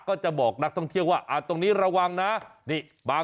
ก็จะบอกนักท่องเที่ยวว่าอ่าตรงนี้ระวังนะนี่บาง